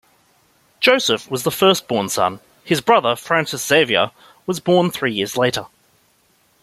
Joseph was the first-born son, his brother Francis Xavier was born three years later.